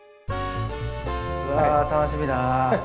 うわ楽しみだな。